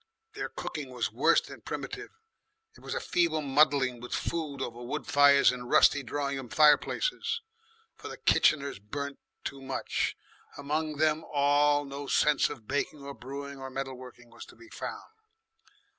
Their cooking was worse than primitive. It was a feeble muddling with food over wood fires in rusty drawing room fireplaces; for the kitcheners burnt too much. Among them all no sense of baking or brewing or metal working was to be found.